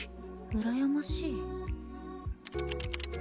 うらやましい？